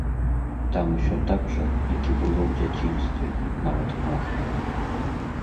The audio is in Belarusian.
Там усё так жа, як і было ў дзяцінстве, нават пах.